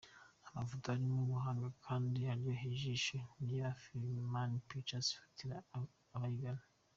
Amafoto arimo ubuhanga kandi aryoheye ijisho, niyo Afrifame Pictures ifatira abayigana.